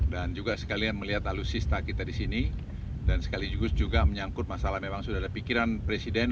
dan juga sekalian melihat alusista kita di sini dan sekaligus juga menyangkut masalah memang sudah ada pikiran presiden